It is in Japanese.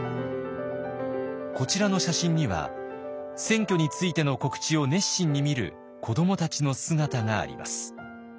こちらの写真には選挙についての告知を熱心に見る子どもたちの姿があります。